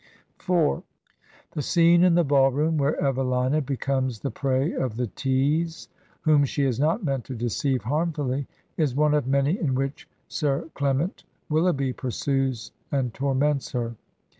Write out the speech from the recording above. IV The scene in the ball room, where Evelina becomes the prey of the tease whom she has not meant to deceive hannfuUy, is one of many in which Sir Clement Wil loughby pursues and torments her.